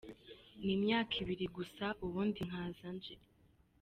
N’imyaka ibiri gusa, ubundi nkaza nje.